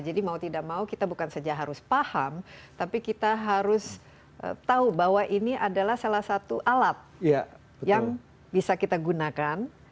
jadi mau tidak mau kita bukan saja harus paham tapi kita harus tahu bahwa ini adalah salah satu alat yang bisa kita gunakan